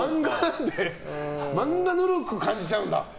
漫画、ぬるく感じちゃうんだ。